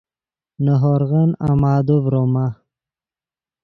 نے ہورغن امادو ڤروما